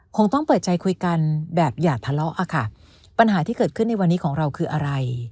คงต้องเปิดใจคุยกันแบบอย่าทะเลาะอะค่ะปัญหาที่เกิดขึ้นในวันนี้ของเราคืออะไร